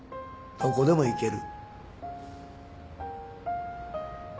どこでも行ける。